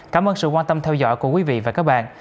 cảm ơn sự quan tâm theo dõi của quý vị và các bạn